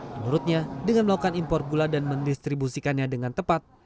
menurutnya dengan melakukan impor gula dan mendistribusikannya dengan tepat